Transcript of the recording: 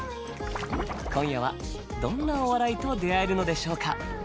今夜はどんなお笑いと出会えるのでしょうか。